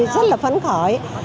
rất là phấn khởi